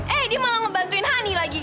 eh dia malah ngebantuin honey lagi